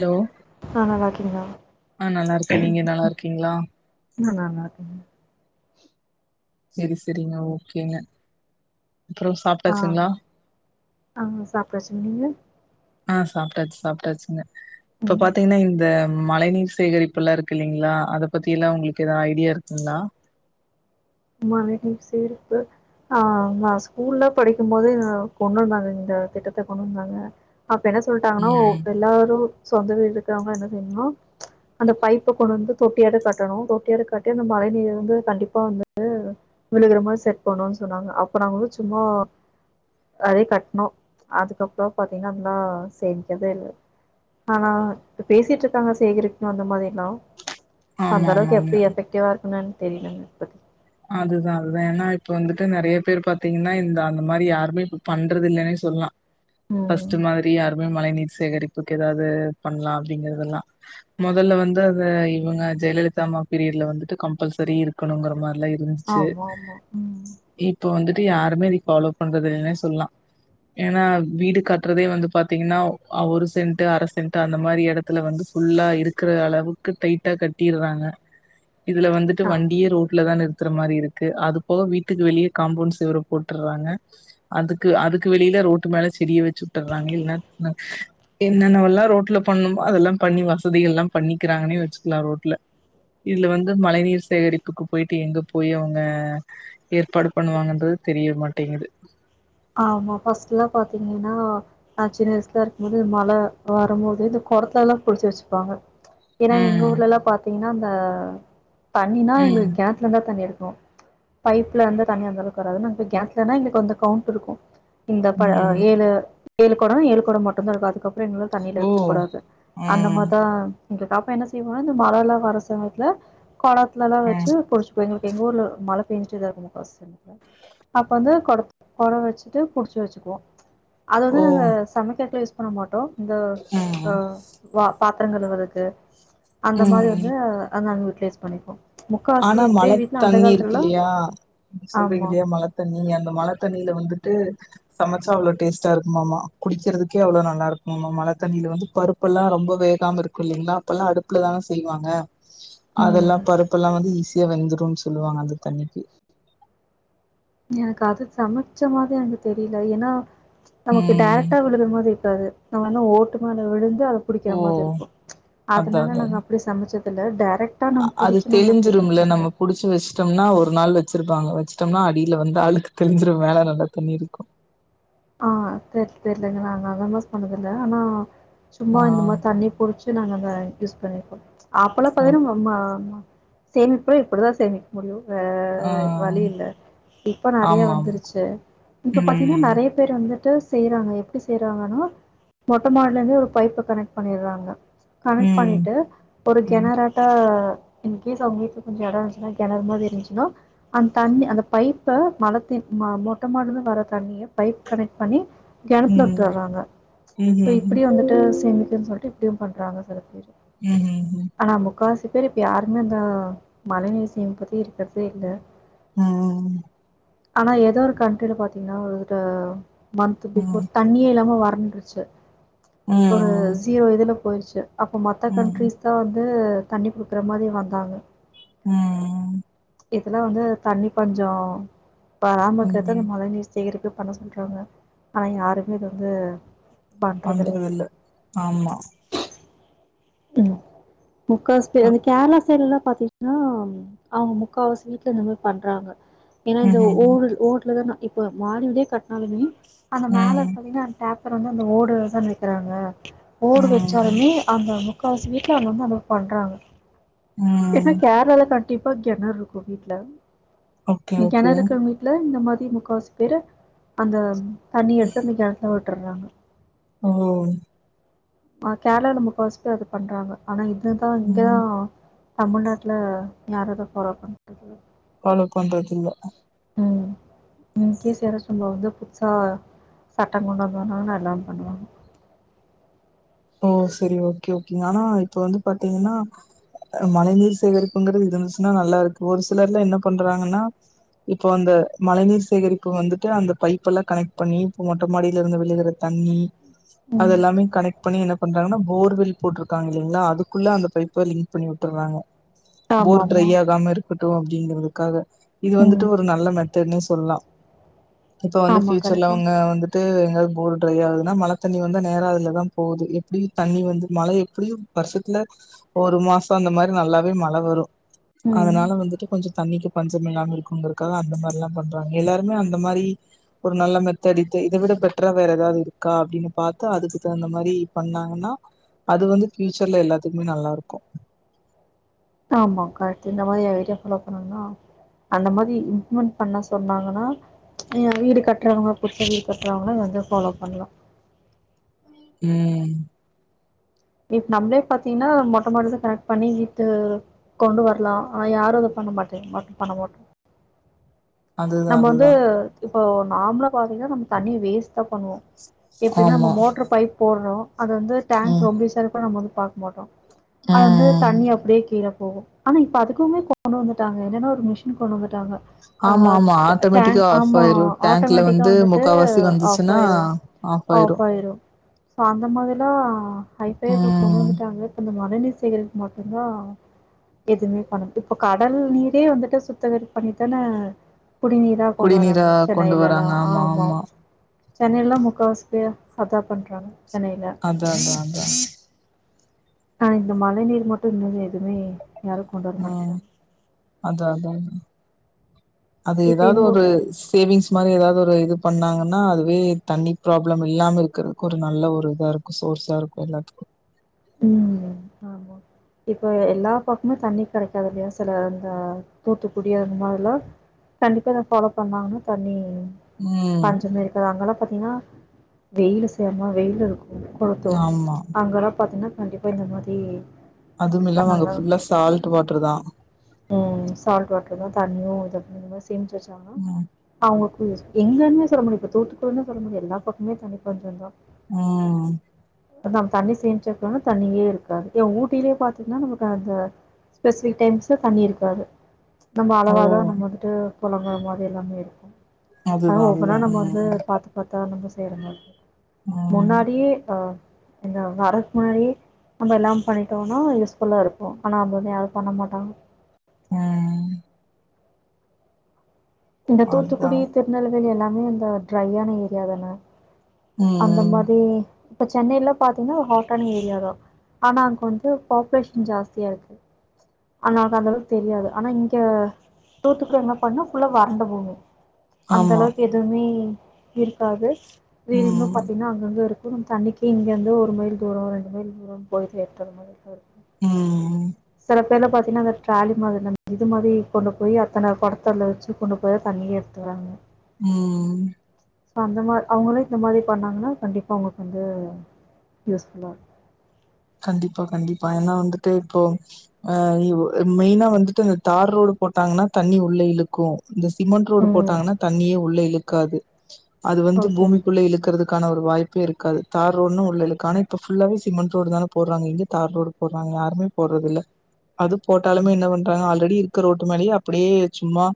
Hello ஆ நல்லா இருக்கீங்களா ஆ நல்லாருக்கு நீங்க நல்லாருக்கிங்ளா நா நல்லாருக்கே செரி செரிங்க ஓகேங்க அப்புறோ ஆ சாப்ட்டாச்சுங்களா ஆங்க சாப்ட்டாச்சு நீங்க ஆ சாப்ட்டாச்சு சாப்ட்டாச்சுங்க இப்ப ம் பாத்தீங்னா இந்த மழை நீர் சேகரிப்புலா இருக்கு இல்லைங்களா அத பத்திலா உங்குளுக்கு எதாது ஐடியா இருக்குங்ளா மழைநீர் சேர்ப்பு ஆ நா ஸ்கூல்ல படிக்கும்போது கொண்டு வந்தாங்க இந்த திட்டத்த கொண்டு வந்தாங்க அப்ப என்ன சொல்ட்டாங்கன்னோ ம் எல்லாரு சொந்த வீடு இருக்றவங்க என்ன செய்ணு அந்த பைப்ப கொண்டு வந்து தொட்டியாட்டு கட்டணு தொட்டியாட்டு கட்டி அந்த மழ நீர வந்து கண்டிப்பா வந்து ந்து விழுகற மாரி செட் பண்ணு சொன்னாங்க அப்ப நாங்க வந்து சும்மா அதே கட்ணோ அதுக்கப்றோ பாத்தீங்னா அதலா சேமிக்கதே இல்ல ஆனா இப்ப பேசிட்ருக்காங்க சேகரிக்குனு அந்த மாரி எல்லா சோ ஆமா அந்தளவுக்கு ஆமாங்க எப்டி எஃபக்டிவா இருக்குணு எனக்கு தெரிலங்க இப்பத்திக் அதுதா அதுதா ஏனா இப்ப வந்துட்டு நறைய பேர் பாத்தீங்கன்னா இந்த அந்த மாரி யாருமே இப்ப பண்றது இல்லன்னே சொல்லா ம் ஃபர்ஸ்ட்டு மாதிரி யாருமே மழை நீர் சேகரிப்புக்கு எதாது பண்லா அப்டிங்கறதெல்லா மொதல்ல வந்து அத இவங்க ஜெயலலிதா அம்மா பீரியட்ல வந்துட்டு கம்பல்சரி இருக்குணுங்கற மாரிலா இருந் ருந்துச்சு ஆமா ஆமா ம் இப்ப வந்துட்டு யாருமே இது ஃபாலோ பண்றது இல்னே சொல்லா ஏனா வீடு கட்றதே வந்து பாத்தீங்கன்னா ஓ ஒரு சென்ட்டு அர சென்ட்டு அந்த மாரி எடத் த்துல வந்து ஃபுல்லா இருக்குற அளவுக்கு டைட்டா கட்டிர்றாங்க இதுல வந்துட்டு ஆ வண்டியே ரோட்ல தான இருக் க்குற மாரி இருக்கு அது போக வீட்டுக்கு வெளிய காம்பவுண்ட் செவுரு போட்டுர்றாங்க அதுக்கு அதுக்கு வெளில ரோட்டு மேல செடிய வச்சு வுட்டுர்றாங்க இல் [inaudible] என்னென்னவெல்லா ரோட்ல பண்ணுமோ அதெல்லா பண்ணி வசதிகள்லா பண்ணிக்கிறாங்னே வச்சுக்லா ரோட்ல இதுல வந்து மழை நீர் சேகரிப்புக்கு போயிட்டு எங்க போ போயி அவுங்க ஏற்பாடு பண்ணுவாங்கன்றது தெரிய மாட்டேங்குது ஆமா ஃபர்ஸ்ட்லா பாத்தீங்கன்னா நா சின்ன வய்சுலா இருக்கும்போது மழ வரம்போது இந்த கொடத்லல்லா புடிச்சு வச்சுப்பாங்க ஏனா எங்க ம். ஊர்லல்லா பாத்தீங்கன்னா அந்த தண்ணினா எங்ளுக் ம் கெணத்லந்தா தண்ணி எடுக்னு பைப்லருந்து தண்ணி அந்தளவுக்கு வராது நாங்போய் கெணத்லனா எங்ளுக்கு வந்து கவுண்ட்டுருக்கு இந்த ப ஆ ம் ஏழு ஏழு கொடொ ஏழு கொடொ மட்டுந்தாருக்கு அதுக்கப்றோ எங்ள தண்ணில ஓ இருக்கக்கூடாது அந்த ம் மாதா இங்க காப்ப என்ன செய்வோனா இந்த மழல்லா வர சமயத்ல கொடத்லல்லா ம் வச்சு புடிச் [unintelligible] எங் ஊர்ல மழ பேஞ்சிட்டே தாருக்கு முக்காவாசி சமயத்ல அப்ப வந்து கொடத் கொடோ வச்சுட்டு புடிச்சு வச்சிக்குவோ அத வந்து ஓ நாங்க சமைக்கற்க்லா யூஸ் பண்ண மாட்டோ இந்த வ ம் வா பாத்ரங் கழுவருக்கு அந்த மாரி ம் வந்து அத் நாங்க யூட்லேஸ் பண்ணிப்போ ஆனா முக்காவாசி மழ பேர் வீட்ல அந்த தண்ணி காலத்துலலா இருக்கில்லயா நீங் ஆமா சொல்றீங்கில்லயா மழ தண்ணி அந்த மழ தண்ணில வந்துட்டு சமச்சா அவ்ளோ டேஸ்ட்டாருக்குமாமா குடிக்கற்துக்கே அவ்ளோ நல்லாருக்குமாமா மழ தண்ணில வந்து பருப் ப்புல்லா ரொம்ப வேகாம இருக்கு இல்லிங்ளா அப்பெல்லா அடுப்ல தான செய்வாங்க அதெல்லா ம் பரு ப்புல்லா வந்து ஈஸியா வெந்துருன் சொல்வாங்க அது தண்ணிக்கி எனக் அது சமச்ச மாதி எனக்கு தெரில ஏனா நமக்கு ம் டேரெக்டா விழுற மாதி இருக்காது நம்ம என்ன ஓட்டு மேல விழுந்து அது புடிக்ற ஓ மாதிருக்கு அதனால நாங்க அப்டி சமச்சதில்ல டேரெக் ஆ அது தெளிஞ்சிரும்ல நம்ம புடிச் சு வெச்ட்டம்னா ஒர் நாள் வச்சிருப்பாங்க வச்ட்டம்னா அடில வந்து அழுக்கு தெளிஞ்சிரு மேல நல்ல தண்ணி இருக்கு ஆ தெ தெர்லங்க நாங்க அல்லா யூஸ் பண்ணதில்ல ஆனா சும்மா ஆ இந்த மா தண்ணி புடி ச்சு நாங்க அத யூஸ் பண்ணிருக்கோ அப்பல்லா ஓ பாத்திட்னா மம்மா சேமிப்புனா இப்டிதா சேமி முடியு வே ஆ வழி இல்ல இப்ப நறையா ஆமாம் வந்துருச்சு இப்ப பாத்தீங்கன்னா ம் நறையா பேர் வந்துட்டு செய்றாங்க எப்டி செய்றாங்கனா மொட்ட மாடிலந்தே ஒரு பைப்ப கனெக்ட் பண்ணிறாங்க கனெக்ட் ம் பண்ணிட்டு ஒரு ம் கெணற த்த இன் கேஸ் அவுங்க வீட்ல கொஞ்சொ எடோ இருன்ச்சுனா கெணறு மாரி இருன்ச்சுனா அந் தண்ணி அந்த பைப்ப மழ த ம மொட்ட மாடிலந்து வர தண்ணிய பைப் கனெக்ட் பண்ணி கெணத்ல ம் விட்டுறாங்க ஸோ ம்ஹூஹூம் இப்டி வந்துட்டு சேமிக்னு சொல்ட்டு இப்டியு பண்றாங்க சில பேரு ம் ம் ம் ஆனா முக்காவாசி பேர் இப்ப யாருமே அந்த மழைநீர் சேமிப்பு பத்தி இருக்றதே இல்ல ம் ம் ஆனா எதோ ஒரு கன்ட்ரில பாத்தீங்கன்னா ஒரு மன்த்து ம் பிஃபோர் தண்ணியே இல்லாம வறண்ட்ருச்சு ம் ஜீரோ இதுல போய்ருச்சு அப்ப மத்த ம் கன்ட்ரிஸ் தா வந்து தண்ணி குடுக்ற மாரி வந்தாங்க ம் இதுல்லா வந்து தண்ணி பஞ்சோ வராம இக்கற்து அந்த ம் மழ நீர் சேகரிப்பு பண்ண சொல்றாங்க ஆனா யாருமே இத வந்து பண்றதில்ல ஆமா ம் முக்கா வாசி பேரு அந்த கேர்ளா சைட்லலா பாத்தீங் ன்னா அவுங்க முக்காவாசி வீட்ல இந்த மாரி பண்றாங்க ஏன்னா இந்த ம்ஹூஹூம் ஓடு ஓட்லதா இப்ப மாடி வீடே கட்னாலுமே அந்த மேல ம் பாத்தீங்கனா டாப் வெக்றவங்க அந்த ஓடுல தானே வெக்றாங்க ஓடு ம் வெச்சாலுமே அந்த முக்கா வாசி வீட்ல அங்கங்க அவங்க பண்றாங்க இது ம் கேரளால டிப்பா கெணறு இருக்கு வீட்ல ஓகே ஓகே கெணறு இருக்க வீட்டு ல இந்த மாரி முக்கவாசி பேரு அந்த தண்ணி எடுத்து அந்த கெணத்துல விட்டுறாங்க ஓ ஆ கேரளால முக்கவாசிப்பேர் அப்டி பண்றாங்க ஆனா இதுதா இங்கதா ம் தமிழ்நாட்ல யாரு அத ஃபாலோ பண்றதில்ல ஃபாலோ பண்றதில்ல உம் இன்கேஸ் யாராச்சு நம்ப வந்து புதுசா சட்ட கொண்டு வந்த ஒட்னே எல்லா பண்ணுவாங்க ஓ செரி ஓகே ஓகேங்க ஆனா இப்ப வந்து பாத்தீங்ன்னா மழை நீர் சேகரிப்புங்கிறது இருந்துச்சுன்னா நல்லா இருக்கு ஒரு சிலர்லா என்ன பண்றாங்கன்னா இப்ப அந்த மழை நீர் சேகரிப்பு வந்துட்டு அந்த பைப் எல்லா கனெக்ட் பண்ணி மொட்ட மாடியில இருந்து விழுகுரது தண்ணி ம். அதல்லாமே கனெக்ட் பண்ணி என்ன பண்றாங்கன்னா போர்வில் போட்டிருக்காங்கில்லைங்களா அதுக்குள்ள அந்த பைப்ப லிங்க் பண்ணி வுட்டுறாங்க போர் ட்ரை ஆமாமா. ஆகாம இருக்கட்டு அப்டிங்றதுக்காக இது வந்துட்டு ம். ஒரு நல்ல மெத்தட்ன்னே சொல்லா இப்ப வந்து ஆமா ஃபியூச்சர்ல கரெக்ட் தான். அவங்க வந்துட் டு எங்கனா போர் ட்ரை ஆகுதுனா மழ தண்ணி வந்து நேரா அதுலதா போது எப்டியு தண்ணி வந்து மழ எப்டியு வருஷத்துல ஒரு மாசோ அந்த மாரி நல்லாவே மழ வரு ம். அதனால வந்துட்டு கொஞ்சோ தண்ணிக்கு பஞ்சமில்லாம இருக்குங்கிறதுக்காக அந்த மாரில்லா பண்றாங்க எல்லாருமே அந்த மாரி ஒரு நல்ல மெத்தட் இத்த இத விட பெட்ரா வேற எதாவது இருக்கா அப்டின்னு பாத்து அதுக்கு தகுந்த மாரி பண்ணாங்கன்னா அது வந்து ஃபியூச்சர்ல எல்லாத்துக்குமே நல்லா இருக்கு ஆமா கரெக்டு இந்த மாரி ஐடியா ஃபாலோ பண்ணணுனா அந்த மாரி இம்ப்ளிமெண்ட் பண்ண சொன்னாங்கன்னா ஏ வீடு கட்டுறவங்க புதுசா வீடு கட்டுறவங்களா இத வந்து ஃபாலோ பண்ணலா உம் இப்ப நம்மளே பாத்தீங்கன்னா மொட்ட மாடில பேக் பண்ணி ஈத்து கொண்டு வரலா ஆனா யாரு அத பண்ண மாட்ரிங்க பண்ண மாட்டோ அதுதா நம்ப வந்து அதுதா இப்போ நார்மலா பாார்த்தீங்கன்னா நம்ம தண்ணிய வேஸ்ட்தா பண்ணுவோ எப்டின்னா நம்ம ஆமா மோட்டர் பைப் போடுறோ அது வந்து டேங்க் ம் ரொம்பிருச்சாறப்பா நம்ம வந்து பாக்ரோ போட்டோ அது வந்து ம் தண்ணி அப்படியே கீழே போகு ஆனா இப்ப அதுக்குமே கொண்டு வந்துட்டாங்க என்னன்னா ஒரு மிஷின் கொண்டு வந்துட்டாங்க ஆ ஆமா ஆமா ட ஆட்டோமேட்டிக்கா டேங்க் ஆமா. ஆஃபாயிரு டேங்க்ல ஆட்டோமேட்டிக்கா வந்து வந்துட்டு முக்கால்வாசி ஆஃப் வந்துச்சுன்னா ஆயிரும். ஆஃப் ஆயிரு ஸோ அந்த மாரிலா ஹைஃபையா இப்போ கொண்டு ம் வந்துட்டாங்க அந்த மழைநீர் சேகரிப்பு மட்டுதா எதுவுமே பண்ணும் இப்போ கடல் நீரே வந்துட்டு சுத்தகரிப்பு பண்ணி தானே குடிநீரா கொண்டு குடிநீரா வராங்க கொண்டு சென்னையிலல்லா வராங்க ஆமா சென்னைலலா முக்காவாசி பேரு அதா பண்றாங்க சென்னையில அந்த அந்த அந்த ஆனா இந்த மழ நீர் மட்டும் இன்னு எதுமே யாருக்கு உம் அதா அதா அதா அது இப்ப எதாவது எங்கோ ஒரு சேவிங்ஸ் மாரி எதாவது ஒரு இது பண்ணாங்கன்னா அதுவே தண்ணி ப்ராப்ளம் இல்லாம இருக்கிறதுக்கு ஒரு நல்ல ஒரு இதா இருக்கு சோர்ஸாருக்கு எல்லாத்துக்கூ உம் ஆமா இப்ப எல்லா பக்மே தண்ணி கெடைக்காதுல்லையா செல இந்த தூத்துக்குடி அது மாரிலா கண்டிப்பா இத ஃபாலோ பண்ணாங்கனா தண்ணீ ம் பஞ்சமே இருக்காது அங்கலா பாத்திங்னா வெயிலு செம வெயிலு இருக்கூ கொளுத்தூ ஆமா அங்கெலா பாத்திங்னா கண்டிப்பா இந்த மாதீ அதும் இல்லாம அங்க ஃபுல்லா சால்ட்டு வாட்ருதா உம் சால்டு வாட்ருதா தண்ணியு இத இந்த மாரி சேம்ச்சி வச்சாங்கனா உம் அவங்கக்கு எங்கன்னூ சொல்ல முடியு இப்ப தூத்துக்குடினு சொல்ல முடியாது எல்லா பக்கமே தண்ணி பஞ்சொந்தா உம் அதா தண்ணி சேம்ச்சி வக்லனா தண்ணியே இருக்காது ஏன் ஊட்டீலே பாத்திங்னா நமக்கு அந்த பெஸிஃபிக் டைம்ஸ்ல தண்ணி இருக்காது நம்ம ஓ அளவாதா நம்ம வந்ட்டு பொலங்குற மாரி எல்லாமே இருக்கூ அதா அதுதா ஒவ்வொனா அதுதா நம்ம வந்து ம் பாத்து பத்தா நம்ம செய்ற மார்ருக்கூ ம் முன்னாடியே ஆ இந்த வர முன்னாடியே நம்ம எல்லா பண்ணிட்டோனா யூஸ்ஃபுல்லா இருக்கூ ஆனா அந்த ஒன்னு யாரூ பண்ண மாட்டாங்க உம் இந்த அதுதா தூத்துக்குடி திருநெல்வேலி எல்லாமே இந்த ட்ரையான ஏரியா தானே அந்த ம் மாதீ இப்ப சென்னை எல்லா பாத்திங்னா ஹாட்டான ஏரியாதா ஆனா அங்க வந்து பாப்புலேஷன் ஜாஸ்தியா இருக்கு அனாலதா அந்தளவுக்கு தெரியாது ஆனா இங்க தூத்துக்கு என்ன பண்ணா ஃபுல்லா வறண்ட பூமி அந்த ஆமா அளவுக்கு எதுவுமே இருக்காது வீட்னூ ம் பாத்திங்னா அங்கங்க இருக்கூ நம்ம தண்ணிக்கி இங்கந்து ஒரு மைல் தூரோ ரெண்டு மைல் தூரோனு போய் [unintelligible] உம் ல பேர்லா பாத்தீங்னா அந்த டிராலி மாதிர்தா இது மாரீ கொண்டு போயீ அத்தன கொடத்துல வச்சி கொண்டு போய்தா தண்ணியே டிராங்க உம் சோ அந்த மார் அவங்களா இந்த மாதிரி பண்ணாங்கன்னா கண்டிப்பாக அவங்கள்க் வந்தூ யூஸ்ஃபுல்லா இருக்கூ கண்டிப்பா கண்டிப்பா ஏனா வந்துட்டூ இப்போ ஆ இவ் மெயினா வந்துட்டு தார் ரோடு போட்டாங்கனா தண்ணி உள்ள இழுக் கூ இந்த சிமெண்ட் ரோடு இருக்கும் ம் போட்டாங்கனா தண்ணியே உள்ள இழுக்காது அது வந்து ஓ சரி சரி பூமிக்குள்ள இழுக்கறது கான ஒரு வாய்ப்பே இருக்காது தார் ரோட்னா உள்ள இழுக்கூ ஆனா இப்ப ஃபுல்லாவே சிமெண்ட் ரோடு தான போட்றாங்க எங்க தார்ரோடு போட்றாங்க யாருமே போட்றதில்ல அது போட்டாலுமே என்ன பண்றாங்க ஆல்ரெடி இருக்க ரோட்டு மேலயே அப்டியே சும்மா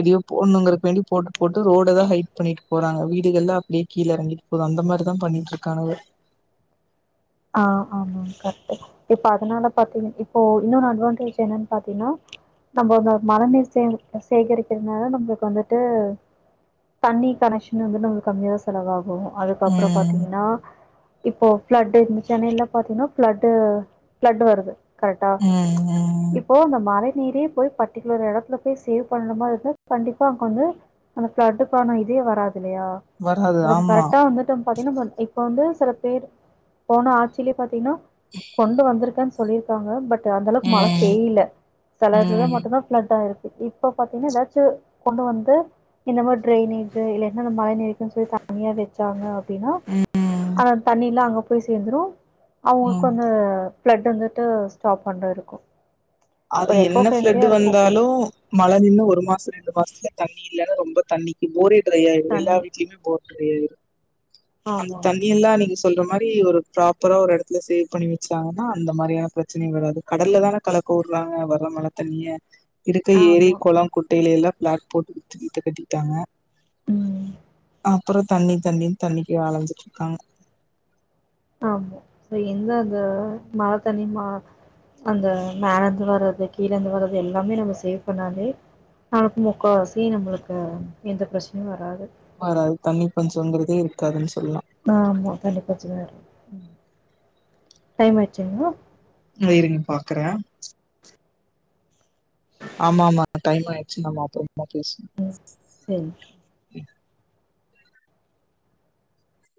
எதயோ போட்ணுங்குரக் வேண்டி போட்டு போட்டு ரோடதா ஹைட் பண்ணிட்டு போறாங்க வீடுகள்லா அப்டியே கீழெறங்கிர் போது அந்த மாரிதா பண்ணிட்ருக்கானுவ ஆ ஆமா கரெட்டுதா இப்ப அதனால பாத்தெங்க இப்போ இன்னொன்னு அட்வான்டேஜ் என்னன் பாத்தெங்னா நம்ப ந மழ நீர் சேக சேகரிக்கிறனால நம்மளுக் வந்துட்டூ தண்ணி கனெக்க்ஷன் வந்து நம்மளுக் கம்மியாஸ் செலவாகு அதுக்கப்றொ ம் பாத்திங்கனா இப்போ ஃப்ளட்டூ சென்னையில பாத்திங்னா ஃப்ளட்டு ஃப்ளட்டு வருது கரெக்டா ம் ம் இப்போ அந்த மழை நீரே போய் பட்டிகுலர் எடத்துல போய் சேவ் பண்ணுன மார் இருந்தா கண்டிப்பா அங்க வந்து அந்த ஃப்ளட்டுகான இதே வராது இல்லயா வராது ப்றோ ஆமா கரெக்டா வந்துட்டு பாத்தீங்கன்னா பாரு இப்ப வந்து சில பேரு போன ஆட்சிலயே பாத்தீங்கனா கொண்டு வந்திருக்கன் சொல்லிருக்காங்க பட் அந்த அளவுக்கு மழ ம் பெய்ல செல இடத்துல ம் மட்டும்தா ஃப்ளட் ஆயிருக்கு இப்ப பாத்தீங்கன்னா எதாச்சு கொண்டு வந்து இந்த மாரி டிரைனேஜ் இல்லனா அந்த மழை நீருக்குன்னு சொல்லி தனியா வெச்சாங்க அப்டின்னா ம் அத தண்ணிலா அங்க போய் சேர்ந்துரு அவுங்க்ளுக்கு ம் அந்த ஃப்ளட் வந்துட்டு ஸ்டாப் பண்ற இருக்கு அது ஒரு எக்கோ என்ன ஃப்ளட் ஃப்ரெண்ட்லியா வந்தாலு மழ நின்னு ஒரு மாச ரெண்டு மாசத்துல தண்ணி இல்லன்னா ரொம்ப தண்ணி போரே ட்ரை ஆயு எல்லா தண்ணி வீட்லயுமே போர் ட்ரை ஆயிடுது அந்த ஆமா ஆமா தண்ணி எல்லா நீங்க சொல்ற மாரி ஒரு ப்ராப்பரா ஒரு எடத்துல சேவ் பண்ணி வச்சாங்கன்னா அந்த மாரி ஒரு பிரச்சன வராது கடல்ல தான கலக்க வுட்றாங்க வர்ற மழ தண்ணிய இருக்க ஏரி ஆமா கொள குட்டையில எல்லா பிளாட் போட்டு வித்து வீட்ட கட்டிட்டாங்க உ அப்றோ தண்ணி தண்ணினு தண்ணிக்கு அலஞ்சிட் இருக்காங்க ஆமா சோ எந்த அது மழ தண்ணி மா அந்த மேலருந்து வர்றது கீழேந்து வர்றது எல்லாமே நம்ம சேவ் பண்ணாலே ஆளுக்கு முக்காவாசி நம்ளுக்கு எந்த பிரச்சனயு வராது வராது தண்ணி பஞ்சங்கறதே இருக்காதுன்னு சொல்லலா ஆமா கண்டிப்பச்சிறே டைம் ஆயிச்சிங்க்ளா னு இருங்க பாக்றே ஆமா ஆமா டைம் ஆயிடுச்சு நாம அப்றோமா பேச ம் செரி